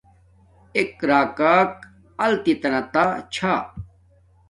ایک راکاک التت تا نا چھا